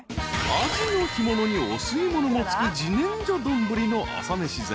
［アジの干物にお吸い物もつく自然薯丼の朝飯膳。